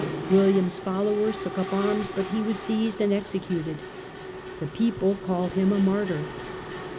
William's followers took up arms, but he was seized and executed. The people called him a martyr.